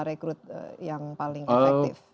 rekrut yang paling efektif